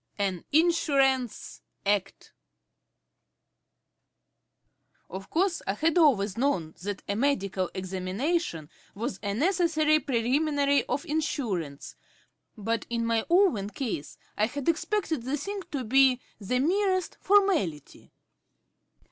AN INSURANCE ACT Of course I had always known that a medical examination was a necessary preliminary to insurance, but in my own case I had expected the thing to be the merest formality.